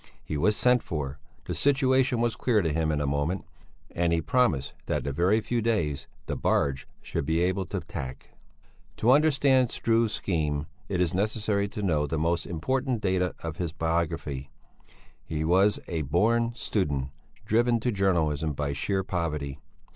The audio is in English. He was sent for. The situation was clear to him in a moment, and he promised that in a very few days the barge should be able to tack. To understand Struve's scheme, it is necessary to know the most important data of his biography. He was a "born student," driven to journalism by sheer poverty.